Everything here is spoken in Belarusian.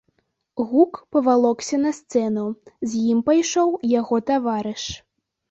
Гук павалокся на сцэну, з ім пайшоў яго таварыш.